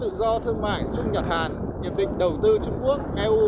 khu tự do thương mại trung nhật hàn hiệp định đầu tư trung quốc